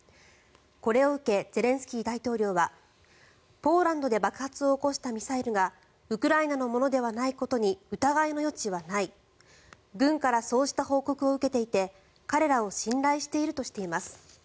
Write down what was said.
これを受けゼレンスキー大統領はポーランドで爆発を起こしたミサイルがウクライナのものではないことに疑いの余地はない軍からそうした報告を受けていて彼らを信頼しているとしています。